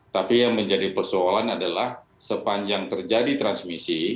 tapi yang menjadi persoalan adalah sepanjang terjadi transmisi